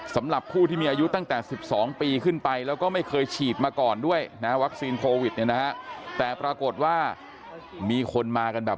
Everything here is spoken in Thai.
สำหรับผู้ที่มีอายุตั้งแต่๑๒ปีขึ้นไปแล้วก็ไม่เคยฉีดมาก่อนด้วยนะวัคซีนโควิดเนี่ยนะฮะแต่ปรากฏว่ามีคนมากันแบบ